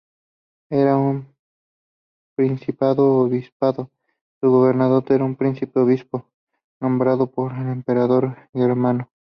Era un principado-obispado, su gobernador era un príncipe-obispo nombrado por el emperador germano.